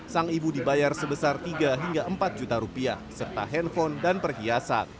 sang ibu dibayar sebesar tiga hingga empat juta rupiah serta handphone dan perhiasan